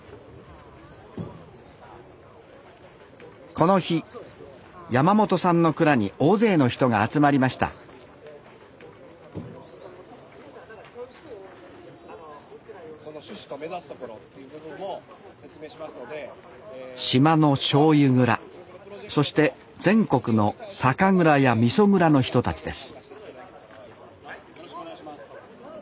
この日山本さんの蔵に大勢の人が集まりました島のしょうゆ蔵そして全国の酒蔵やみそ蔵の人たちです